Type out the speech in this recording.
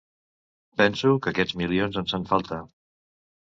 Penso que aquests milions ens fan falta.